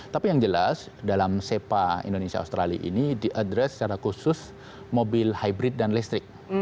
tapi yang jelas dalam sepa indonesia australia ini diadres secara khusus mobil hybrid dan listrik